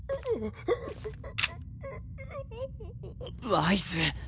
ワイズ。